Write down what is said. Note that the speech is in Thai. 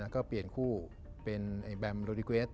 ก็เปลี่ยนคู่เป็นแบมโลดิเกรส